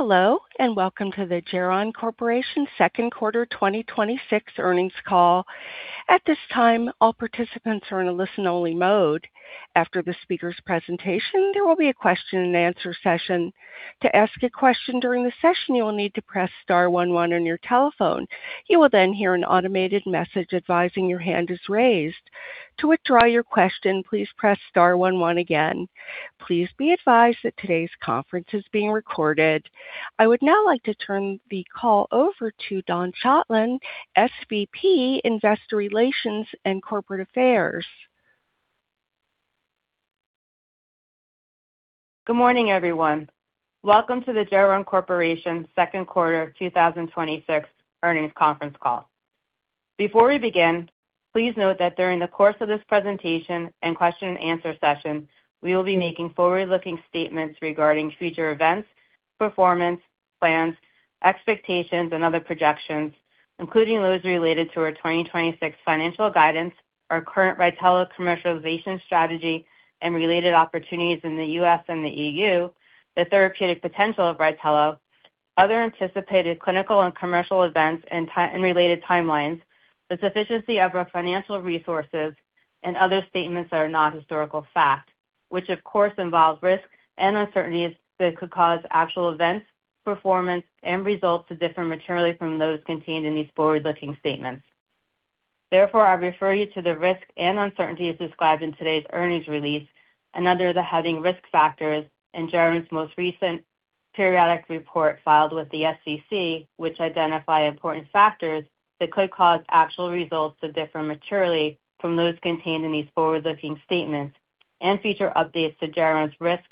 Hello, welcome to the Geron Corporation second quarter 2026 earnings call. At this time, all participants are in a listen-only mode. After the speaker's presentation, there will be a question and answer session. To ask a question during the session, you will need to press star one one on your telephone. You will then hear an automated message advising your hand is raised. To withdraw your question, please press star one one again. Please be advised that today's conference is being recorded. I would now like to turn the call over to Dawn Schottlandt, SVP, Investor Relations and Corporate Affairs. Good morning, everyone. Welcome to the Geron Corporation second quarter of 2026 earnings conference call. Before we begin, please note that during the course of this presentation and question and answer session, we will be making forward-looking statements regarding future events, performance, plans, expectations, and other projections, including those related to our 2026 financial guidance, our current RYTELO commercialization strategy and related opportunities in the U.S. and the EU, the therapeutic potential of RYTELO, other anticipated clinical and commercial events and related timelines, the sufficiency of our financial resources, and other statements that are not historical fact, which, of course, involve risks and uncertainties that could cause actual events, performance, and results to differ materially from those contained in these forward-looking statements. I refer you to the risks and uncertainties described in today's earnings release and under the heading Risk Factors in Geron's most recent periodic report filed with the SEC, which identify important factors that could cause actual results to differ materially from those contained in these forward-looking statements and future updates to Geron's risks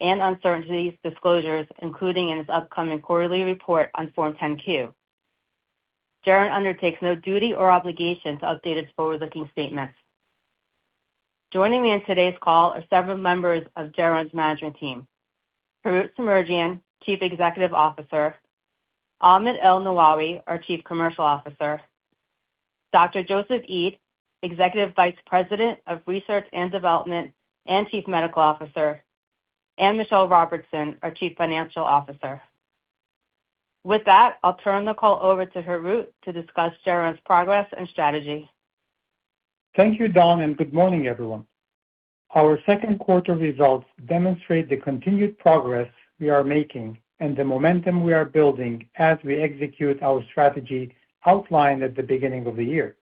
and uncertainties disclosures, including in its upcoming quarterly report on Form 10-Q. Geron undertakes no duty or obligation to update its forward-looking statements. Joining me on today's call are several members of Geron's management team. Harout Semerjian, Chief Executive Officer, Ahmed ElNawawi, our Chief Commercial Officer, Dr. Joseph Eid, Executive Vice President of Research and Development and Chief Medical Officer, and Michelle Robertson, our Chief Financial Officer. With that, I'll turn the call over to Harout to discuss Geron's progress and strategy. Thank you, Dawn, good morning, everyone. Our second quarter results demonstrate the continued progress we are making and the momentum we are building as we execute our strategy outlined at the beginning of the year.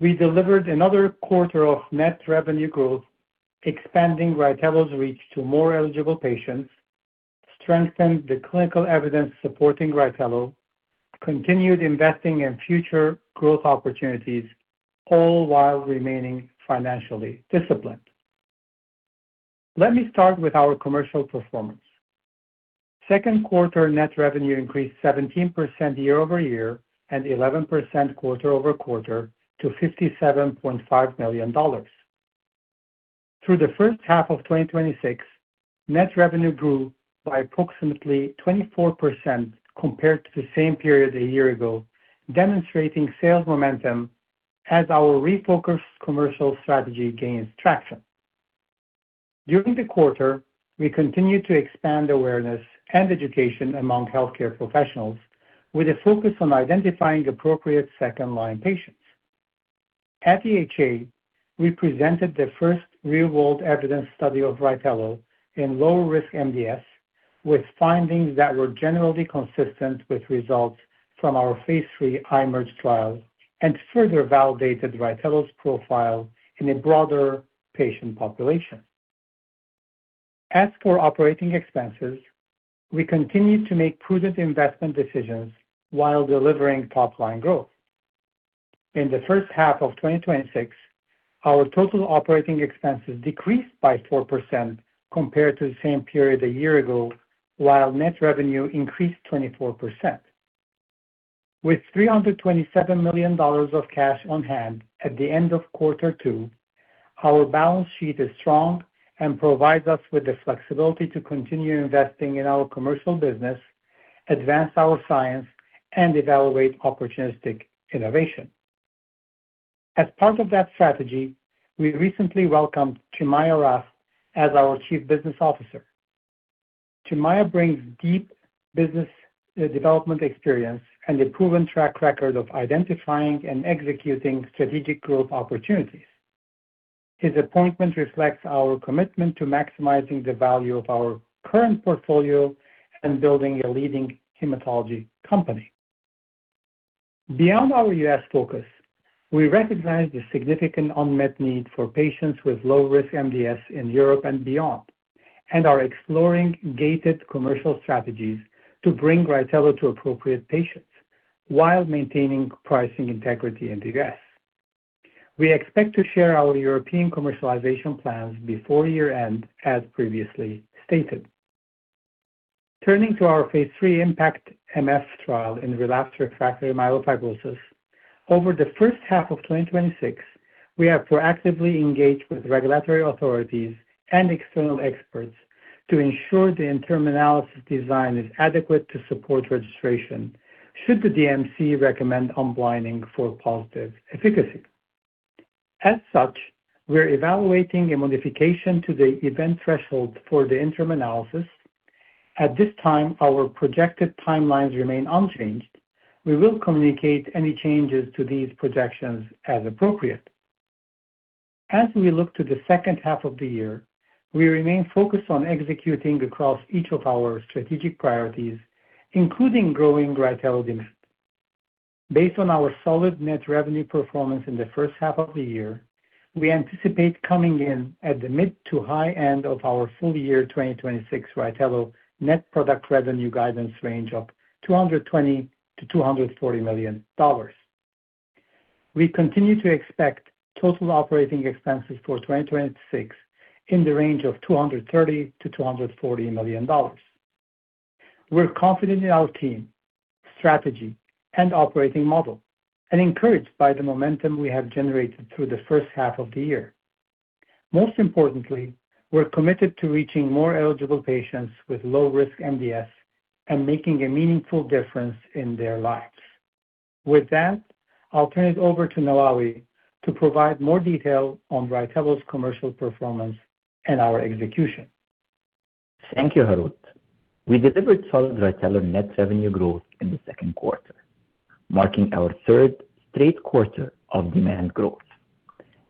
We delivered another quarter of net revenue growth, expanding RYTELO's reach to more eligible patients, strengthened the clinical evidence supporting RYTELO, continued investing in future growth opportunities, all while remaining financially disciplined. Let me start with our commercial performance. Second quarter net revenue increased 17% year-over-year and 11% quarter-over-quarter to $57.5 million. Through the H1 of 2026, net revenue grew by approximately 24% compared to the same period a year ago, demonstrating sales momentum as our refocused commercial strategy gains traction. During the quarter, we continued to expand awareness and education among healthcare professionals with a focus on identifying appropriate second-line patients. At EHA, we presented the first real-world evidence study of RYTELO in low-risk MDS with findings that were generally consistent with results from our phase III IMerge trial and further validated RYTELO's profile in a broader patient population. As for operating expenses, we continued to make prudent investment decisions while delivering top-line growth. In the H1 of 2026, our total operating expenses decreased by 4% compared to the same period a year ago, while net revenue increased 24%. With $327 million of cash on hand at the end of quarter two, our balance sheet is strong and provides us with the flexibility to continue investing in our commercial business, advance our science, and evaluate opportunistic innovation. As part of that strategy, we recently welcomed Chinmaya Rath as our Chief Business Officer. Chinmaya brings deep business development experience and a proven track record of identifying and executing strategic growth opportunities. His appointment reflects our commitment to maximizing the value of our current portfolio and building a leading hematology company. Beyond our U.S. focus, we recognize the significant unmet need for patients with low-risk MDS in Europe and beyond and are exploring gated commercial strategies to bring RYTELO to appropriate patients while maintaining pricing integrity in the U.S. We expect to share our European commercialization plans before year-end, as previously stated. Turning to our phase III IMpactMF trial in relapsed/refractory myelofibrosis, over the H1 of 2026, we have proactively engaged with regulatory authorities and external experts to ensure the interim analysis design is adequate to support registration should the DMC recommend unblinding for positive efficacy. As such, we're evaluating a modification to the event threshold for the interim analysis. At this time, our projected timelines remain unchanged. We will communicate any changes to these projections as appropriate. As we look to the H2 of the year, we remain focused on executing across each of our strategic priorities, including growing RYTELO demand. Based on our solid net revenue performance in the H1 of the year, we anticipate coming in at the mid to high end of our full year 2026 RYTELO net product revenue guidance range of $220 million-$240 million. We continue to expect total operating expenses for 2026 in the range of $230 million-$240 million. We're confident in our team, strategy, and operating model, and encouraged by the momentum we have generated through the first half of the year. Most importantly, we're committed to reaching more eligible patients with low-risk MDS and making a meaningful difference in their lives. With that, I'll turn it over to Nawawi to provide more detail on RYTELO's commercial performance and our execution. Thank you, Harout. We delivered solid RYTELO net revenue growth in the second quarter, marking our third straight quarter of demand growth,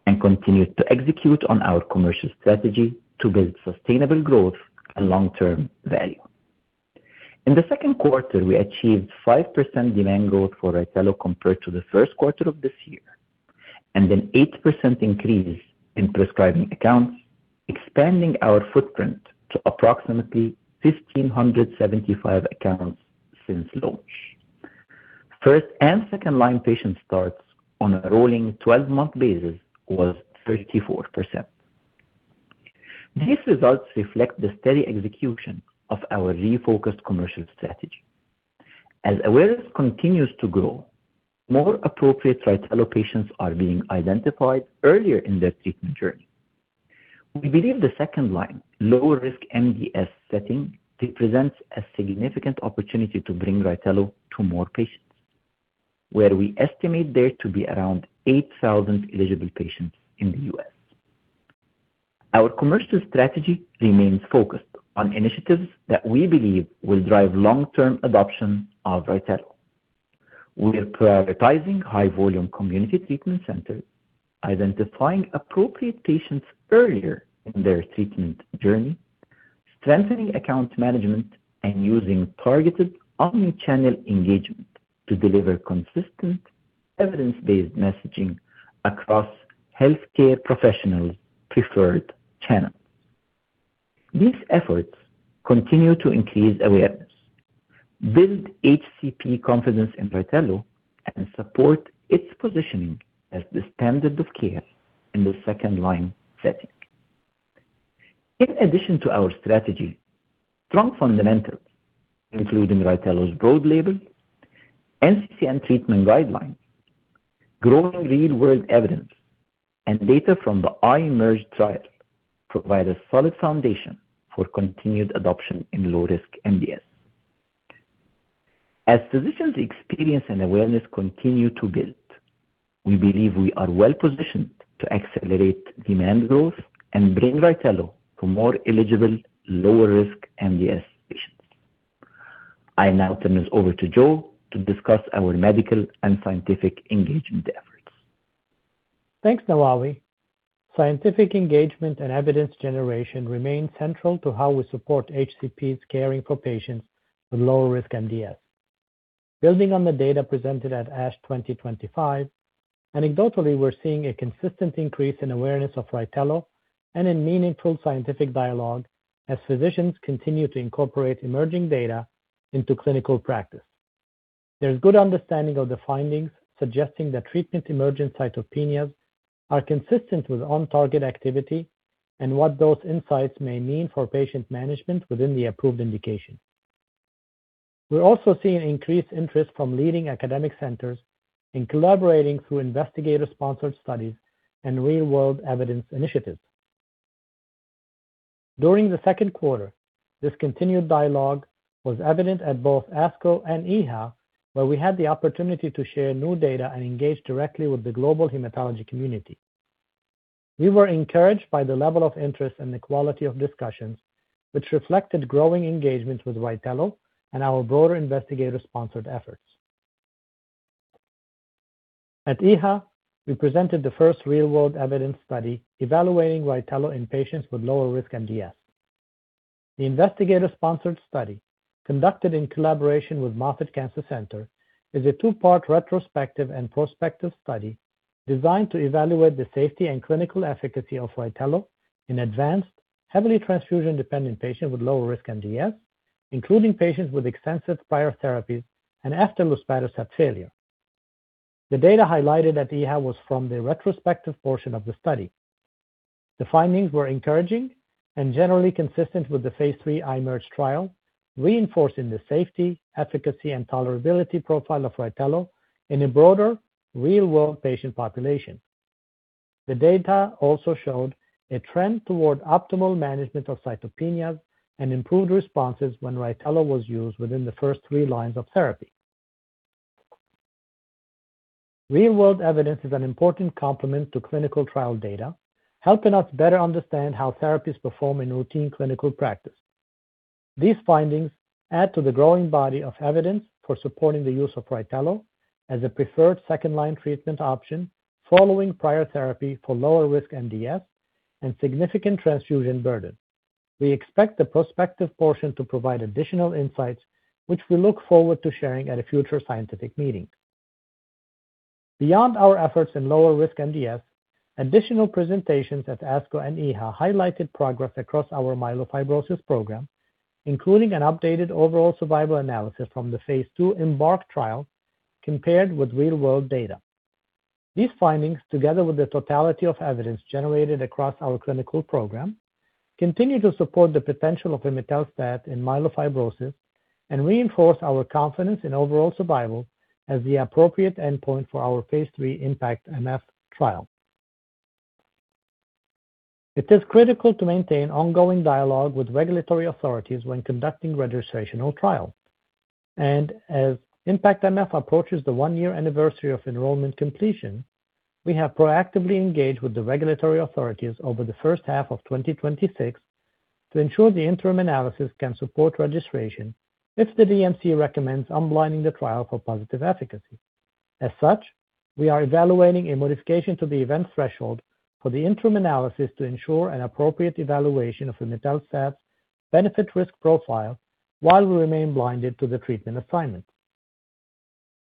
and continued to execute on our commercial strategy to build sustainable growth and long-term value. In the second quarter, we achieved 5% demand growth for RYTELO compared to the first quarter of this year, and an 8% increase in prescribing accounts, expanding our footprint to approximately 1,575 accounts since launch. First- and second-line patient starts on a rolling 12-month basis was 34%. These results reflect the steady execution of our refocused commercial strategy. As awareness continues to grow, more appropriate RYTELO patients are being identified earlier in their treatment journey. We believe the second line, lower-risk MDS setting, represents a significant opportunity to bring RYTELO to more patients, where we estimate there to be around 8,000 eligible patients in the U.S. Our commercial strategy remains focused on initiatives that we believe will drive long-term adoption of RYTELO. We are prioritizing high-volume community treatment centers, identifying appropriate patients earlier in their treatment journey, strengthening account management, and using targeted omnichannel engagement to deliver consistent evidence-based messaging across healthcare professionals' preferred channels. These efforts continue to increase awareness, build HCP confidence in RYTELO, and support its positioning as the standard of care in the second-line setting. In addition to our strategy, strong fundamentals, including RYTELO's broad label, NCCN treatment guidelines, growing real-world evidence, and data from the IMerge trial provide a solid foundation for continued adoption in lower-risk MDS. As physicians' experience and awareness continue to build, we believe we are well-positioned to accelerate demand growth and bring RYTELO to more eligible lower-risk MDS patients. I now turn this over to Joe to discuss our medical and scientific engagement efforts. Thanks, Nawawi. Scientific engagement and evidence generation remain central to how we support HCPs caring for patients with lower-risk MDS. Building on the data presented at ASH 2025, anecdotally, we're seeing a consistent increase in awareness of RYTELO and in meaningful scientific dialogue as physicians continue to incorporate emerging data into clinical practice. There's good understanding of the findings suggesting that treatment-emergent cytopenias are consistent with on-target activity and what those insights may mean for patient management within the approved indication. We're also seeing increased interest from leading academic centers in collaborating through investigator-sponsored studies and real-world evidence initiatives. During the second quarter, this continued dialogue was evident at both ASCO and EHA, where we had the opportunity to share new data and engage directly with the global hematology community. We were encouraged by the level of interest and the quality of discussions, which reflected growing engagement with RYTELO and our broader investigator-sponsored efforts. At EHA, we presented the first real-world evidence study evaluating RYTELO in patients with lower-risk MDS. The investigator-sponsored study, conducted in collaboration with Moffitt Cancer Center, is a two-part retrospective and prospective study designed to evaluate the safety and clinical efficacy of RYTELO in advanced, heavily transfusion-dependent patients with lower-risk MDS, including patients with extensive prior therapies and after luspatercept failure. The data highlighted at EHA was from the retrospective portion of the study. The findings were encouraging and generally consistent with the phase III IMerge trial, reinforcing the safety, efficacy, and tolerability profile of RYTELO in a broader, real-world patient population. The data also showed a trend toward optimal management of cytopenias and improved responses when RYTELO was used within the first three lines of therapy. Real-world evidence is an important complement to clinical trial data, helping us better understand how therapies perform in routine clinical practice. These findings add to the growing body of evidence for supporting the use of RYTELO as a preferred second-line treatment option following prior therapy for lower risk MDS and significant transfusion burden. We expect the prospective portion to provide additional insights, which we look forward to sharing at a future scientific meeting. Beyond our efforts in lower risk MDS, additional presentations at ASCO and EHA highlighted progress across our myelofibrosis program, including an updated overall survival analysis from the phase II IMbark trial compared with real-world data. These findings, together with the totality of evidence generated across our clinical program, continue to support the potential of imetelstat in myelofibrosis and reinforce our confidence in overall survival as the appropriate endpoint for our phase III IMpactMF trial. It is critical to maintain ongoing dialogue with regulatory authorities when conducting registrational trial. As IMpactMF approaches the one-year anniversary of enrollment completion, we have proactively engaged with the regulatory authorities over the H1 of 2026 to ensure the interim analysis can support registration if the DMC recommends unblinding the trial for positive efficacy. As such, we are evaluating a modification to the event threshold for the interim analysis to ensure an appropriate evaluation of imetelstat's benefit/risk profile while we remain blinded to the treatment assignment.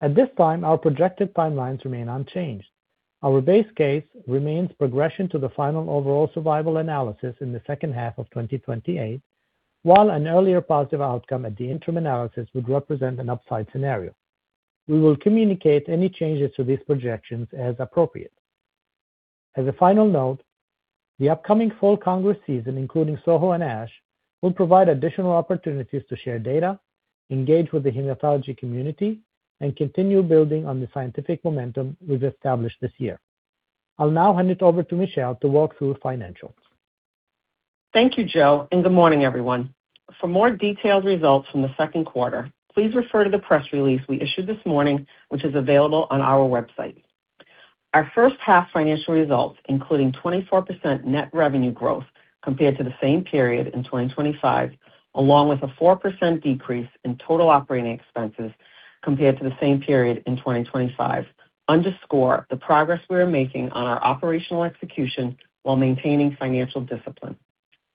At this time, our projected timelines remain unchanged. Our base case remains progression to the final overall survival analysis in the H2 of 2028, while an earlier positive outcome at the interim analysis would represent an upside scenario. We will communicate any changes to these projections as appropriate. As a final note, the upcoming fall congress season, including SOHO and ASH, will provide additional opportunities to share data, engage with the hematology community, and continue building on the scientific momentum we've established this year. I'll now hand it over to Michelle to walk through financials. Thank you, Joe, and good morning, everyone. For more detailed results from the second quarter, please refer to the press release we issued this morning, which is available on our website. Our H1 financial results, including 24% net revenue growth compared to the same period in 2025, along with a 4% decrease in total operating expenses compared to the same period in 2025, underscore the progress we are making on our operational execution while maintaining financial discipline.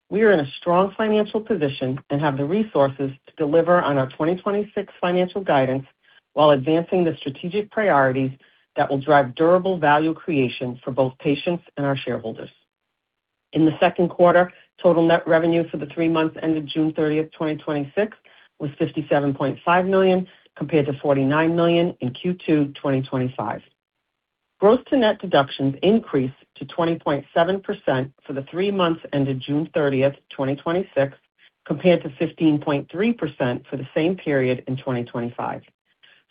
We are in a strong financial position and have the resources to deliver on our 2026 financial guidance while advancing the strategic priorities that will drive durable value creation for both patients and our shareholders. In the second quarter, total net revenue for the three months ended June 30, 2026 was $57.5 million, compared to $49 million in Q2 2025. Gross to net deductions increased to 20.7% for the three months ended June 30th, 2026, compared to 15.3% for the same period in 2025.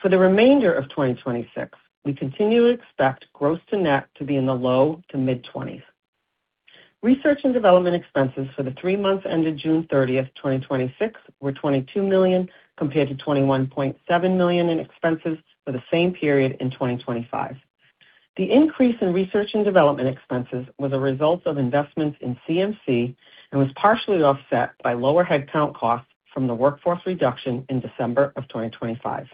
For the remainder of 2026, we continue to expect gross to net to be in the low to mid-20s. Research and development expenses for the three months ended June 30th, 2026 were $22 million, compared to $21.7 million in expenses for the same period in 2025. The increase in research and development expenses was a result of investments in CMC and was partially offset by lower headcount costs from the workforce reduction in December 2025.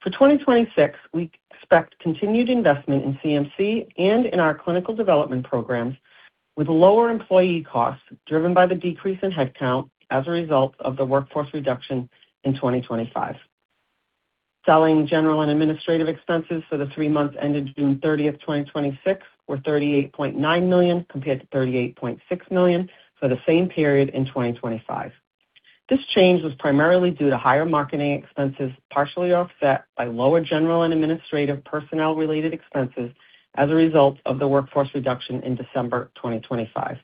For 2026, we expect continued investment in CMC and in our clinical development programs, with lower employee costs driven by the decrease in headcount as a result of the workforce reduction in 2025. Selling, general, and administrative expenses for the three months ended June 30th, 2026 were $38.9 million, compared to $38.6 million for the same period in 2025. This change was primarily due to higher marketing expenses, partially offset by lower general and administrative personnel-related expenses as a result of the workforce reduction in December 2025.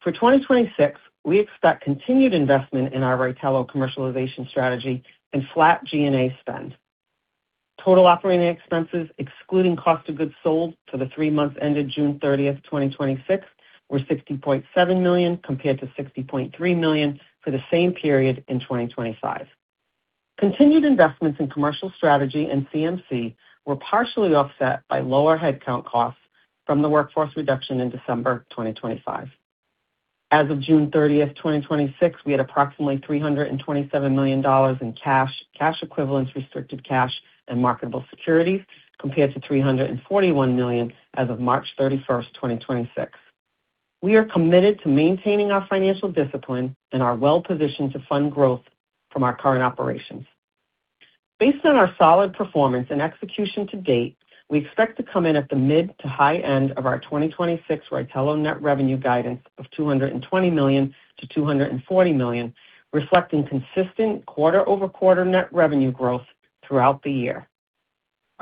For 2026, we expect continued investment in our RYTELO commercialization strategy and flat G&A spend. Total operating expenses, excluding cost of goods sold for the three months ended June 30th, 2026, were $60.7 million, compared to $60.3 million for the same period in 2025. Continued investments in commercial strategy and CMC were partially offset by lower headcount costs from the workforce reduction in December 2025. As of June 30th, 2026, we had approximately $327 million in cash equivalents, restricted cash, and marketable securities, compared to $341 million as of March 31st, 2026. We are committed to maintaining our financial discipline and are well positioned to fund growth from our current operations. Based on our solid performance and execution to date, we expect to come in at the mid to high end of our 2026 RYTELO net revenue guidance of $220 million-$240 million, reflecting consistent quarter-over-quarter net revenue growth throughout the year.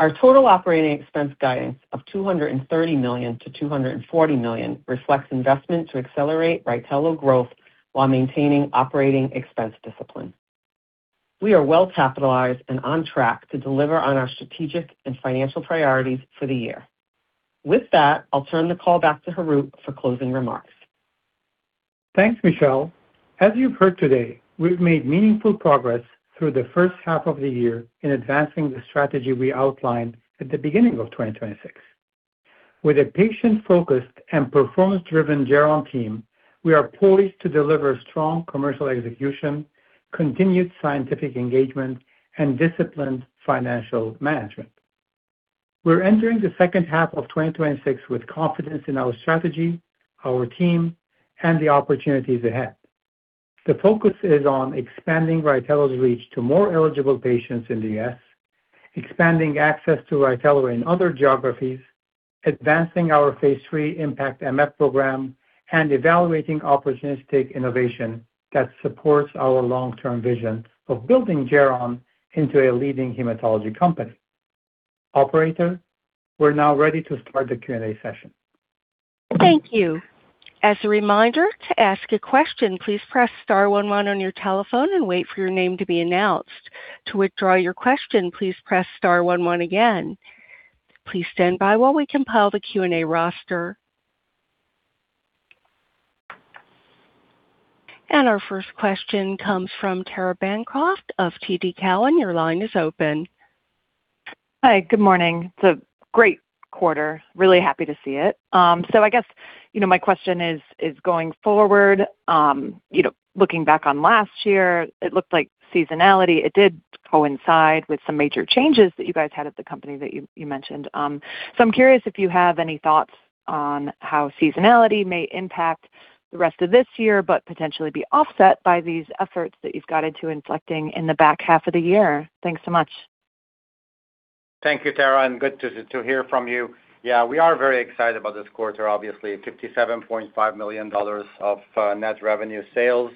Our total operating expense guidance of $230 million-$240 million reflects investment to accelerate RYTELO growth while maintaining operating expense discipline. We are well capitalized and on track to deliver on our strategic and financial priorities for the year. With that, I'll turn the call back to Harout for closing remarks. Thanks, Michelle. As you've heard today, we've made meaningful progress through the H1 of the year in advancing the strategy we outlined at the beginning of 2026. With a patient-focused and performance-driven Geron team, we are poised to deliver strong commercial execution, continued scientific engagement, and disciplined financial management. We're entering the H2 of 2026 with confidence in our strategy, our team, and the opportunities ahead. The focus is on expanding RYTELO's reach to more eligible patients in the U.S., expanding access to RYTELO in other geographies, advancing our phase III IMpactMF program, and evaluating opportunistic innovation that supports our long-term vision of building Geron into a leading hematology company. Operator, we're now ready to start the Q&A session. Thank you. As a reminder, to ask a question, please press star one one on your telephone and wait for your name to be announced. To withdraw your question, please press star one one again. Please stand by while we compile the Q&A roster. Our first question comes from Tara Bancroft of TD Cowen. Your line is open. Hi, good morning. It's a great quarter. Really happy to see it. I guess, my question is, going forward, looking back on last year, it looked like seasonality. It did coincide with some major changes that you guys had at the company that you mentioned. I'm curious if you have any thoughts on how seasonality may impact the rest of this year, but potentially be offset by these efforts that you've got into inflecting in the back half of the year. Thanks so much. Thank you, Tara, and good to hear from you. We are very excited about this quarter, obviously. $57.5 million of net revenue sales,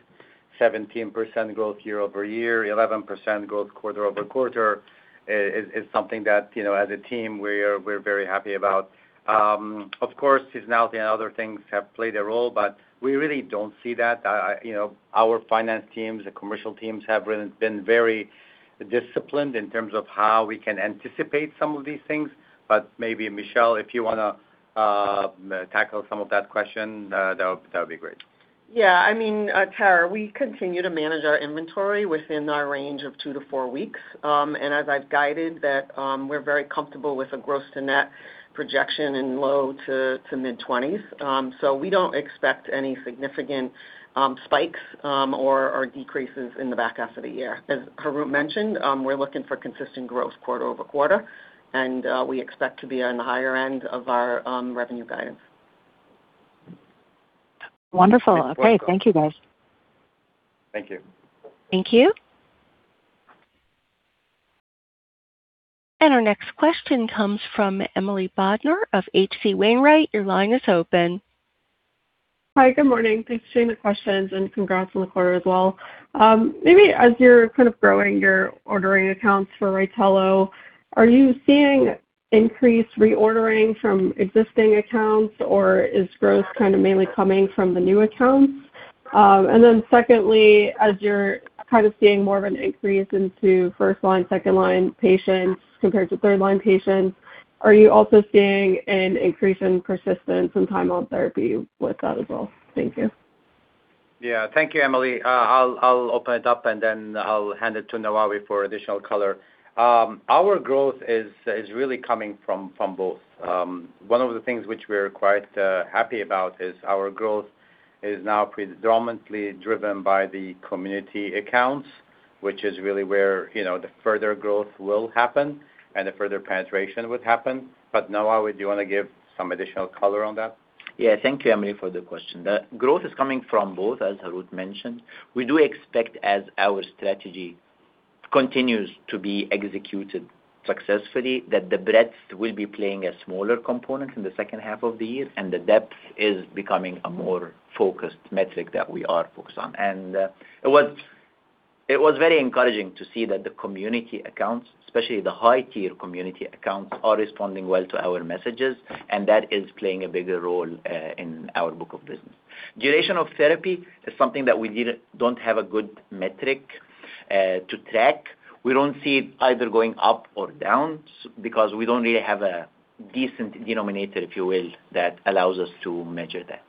17% growth year-over-year, 11% growth quarter-over-quarter. It's something that, as a team, we're very happy about. Of course, seasonality and other things have played a role, we really don't see that. Our finance teams, the commercial teams have really been very disciplined in terms of how we can anticipate some of these things. Maybe, Michelle, if you want to tackle some of that question, that would be great. Yeah. Tara, we continue to manage our inventory within our range of two to four weeks. As I've guided that, we're very comfortable with a gross to net projection in low to mid-20s. We don't expect any significant spikes or decreases in the back half of the year. As Harout mentioned, we're looking for consistent growth quarter-over-quarter, we expect to be on the higher end of our revenue guidance. Wonderful. Okay. Thank you, guys. Thank you. Thank you. Our next question comes from Emily Bodnar of H.C. Wainwright. Your line is open. Hi. Good morning. Thanks for taking the questions. Congrats on the quarter as well. Maybe as you're kind of growing your ordering accounts for RYTELO, are you seeing increased reordering from existing accounts, or is growth kind of mainly coming from the new accounts? Secondly, as you're kind of seeing more of an increase into first-line, second-line patients compared to third-line patients, are you also seeing an increase in persistence and time on therapy with that as well? Thank you. Yeah. Thank you, Emily. I'll open it up, and then I'll hand it to Nawawi for additional color. Our growth is really coming from both. One of the things which we're quite happy about is our growth is now predominantly driven by the community accounts, which is really where the further growth will happen and the further penetration would happen. Nawawi, do you want to give some additional color on that? Yeah. Thank you, Emily, for the question. The growth is coming from both, as Harout mentioned. We do expect, as our strategy continues to be executed successfully, that the breadth will be playing a smaller component in the H2 of the year, and the depth is becoming a more focused metric that we are focused on. It was very encouraging to see that the community accounts, especially the high-tier community accounts, are responding well to our messages, and that is playing a bigger role in our book of business. Duration of therapy is something that we really don't have a good metric to track. We don't see it either going up or down because we don't really have a decent denominator, if you will, that allows us to measure that.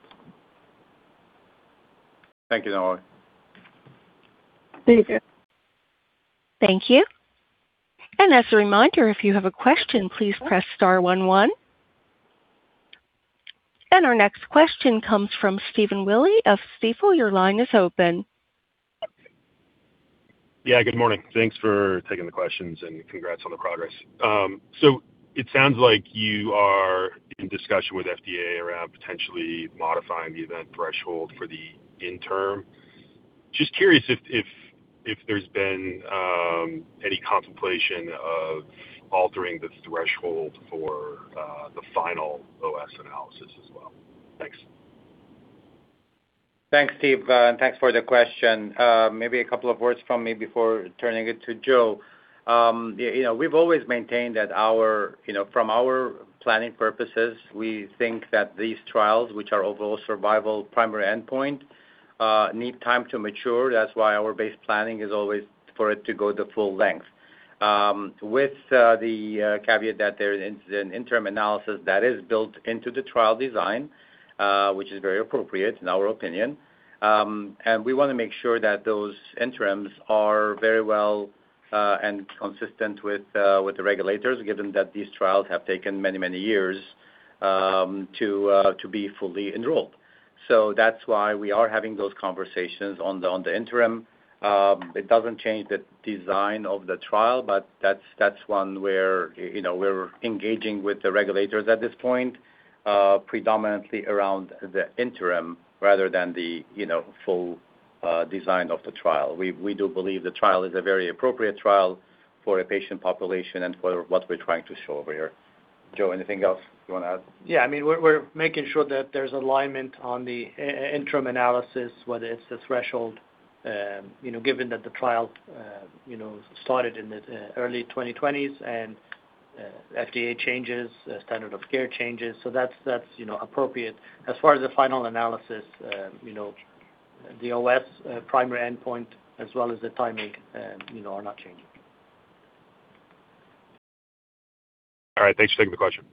Thank you, Nawawi. Thank you. Thank you. As a reminder, if you have a question, please press star one one. Our next question comes from Stephen Willey of Stifel. Your line is open. Good morning. Thanks for taking the questions, and congrats on the progress. It sounds like you are in discussion with FDA around potentially modifying the event threshold for the interim. Just curious if there's been any contemplation of altering the threshold for the final OS analysis as well. Thanks. Thanks, Steve. Thanks for the question. Maybe a couple of words from me before turning it to Joe. We've always maintained that from our planning purposes, we think that these trials, which are overall survival primary endpoint, need time to mature. That's why our base planning is always for it to go the full length. With the caveat that there is an interim analysis that is built into the trial design, which is very appropriate in our opinion. We want to make sure that those interims are very well and consistent with the regulators, given that these trials have taken many, many years to be fully enrolled. That's why we are having those conversations on the interim. It doesn't change the design of the trial, that's one where we're engaging with the regulators at this point, predominantly around the interim rather than the full design of the trial. We do believe the trial is a very appropriate trial for a patient population and for what we're trying to show over here. Joe, anything else you want to add? Yeah, we're making sure that there's alignment on the interim analysis, whether it's the threshold, given that the trial started in the early 2020s and FDA changes, standard of care changes, that's appropriate. As far as the final analysis, the OS primary endpoint as well as the timing are not changing. All right, thanks for taking the question.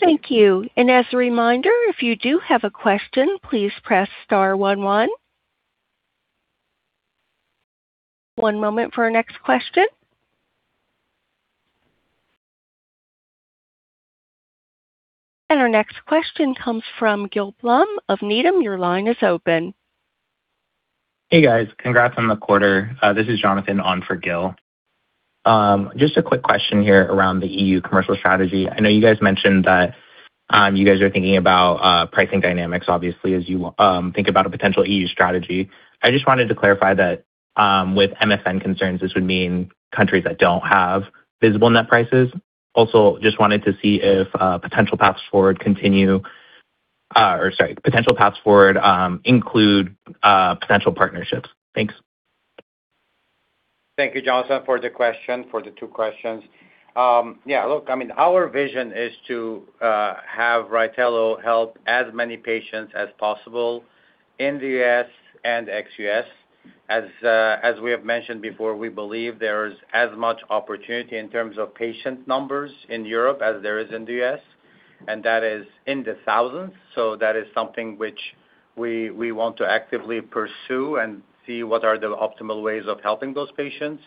Thank you. As a reminder, if you do have a question, please press star one one. One moment for our next question. Our next question comes from Gil Blum of Needham. Your line is open. Hey, guys. Congrats on the quarter. This is Jonathan on for Gil. Just a quick question here around the EU commercial strategy. I know you guys mentioned that you guys are thinking about pricing dynamics, obviously, as you think about a potential EU strategy. I just wanted to clarify that with MFN concerns, this would mean countries that don't have visible net prices. Just wanted to see if potential paths forward include potential partnerships. Thanks. Thank you, Jonathan, for the two questions. Yeah, look, our vision is to have RYTELO help as many patients as possible in the U.S. and ex-U.S. As we have mentioned before, we believe there is as much opportunity in terms of patient numbers in Europe as there is in the U.S., and that is in the thousands. That is something which we want to actively pursue and see what are the optimal ways of helping those patients.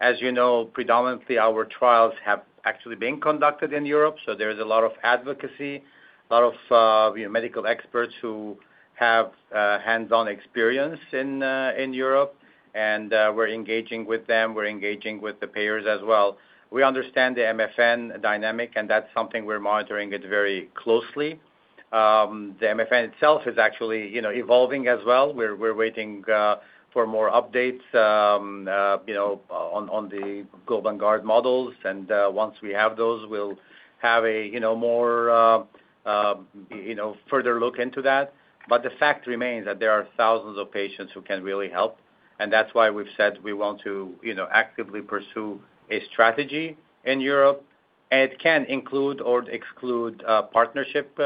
As you know, predominantly, our trials have actually been conducted in Europe, so there is a lot of advocacy, a lot of medical experts who have hands-on experience in Europe, and we're engaging with them. We're engaging with the payers as well. We understand the MFN dynamic, and that's something we're monitoring it very closely. The MFN itself is actually evolving as well. We're waiting for more updates on the GLOBE and GUARD Models, and once we have those, we'll have a further look into that. The fact remains that there are thousands of patients who can really help, and that's why we've said we want to actively pursue a strategy in Europe. It can include or exclude partnership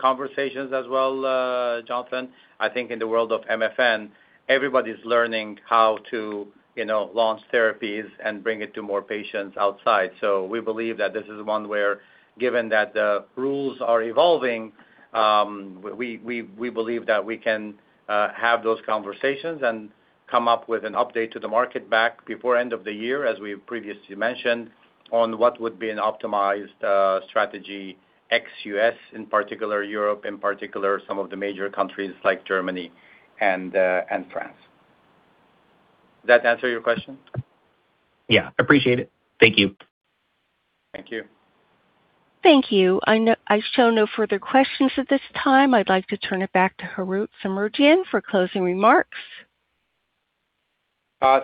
conversations as well, Jonathan. I think in the world of MFN, everybody's learning how to launch therapies and bring it to more patients outside. We believe that this is one where, given that the rules are evolving, we believe that we can have those conversations and come up with an update to the market back before end of the year, as we previously mentioned, on what would be an optimized strategy ex-U.S. in particular Europe, in particular some of the major countries like Germany and France. Does that answer your question? Yeah, appreciate it. Thank you. Thank you. Thank you. I show no further questions at this time. I'd like to turn it back to Harout Semerjian for closing remarks.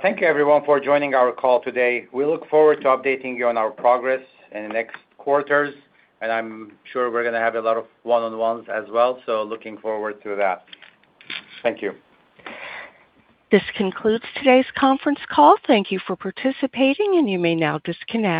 Thank you everyone for joining our call today. We look forward to updating you on our progress in the next quarters, and I'm sure we're going to have a lot of one-on-ones as well. Looking forward to that. Thank you. This concludes today's conference call. Thank you for participating, and you may now disconnect.